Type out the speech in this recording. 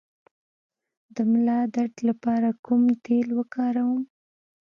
د ملا درد لپاره کوم تېل وکاروم؟